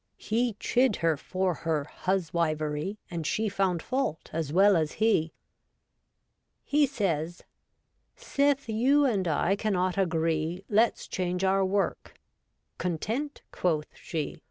He chid her for her huswivery. And she found fault as well as he. He says :—' Sith you and I cannot agree, Let's change our work' — 'Content,' quoth she.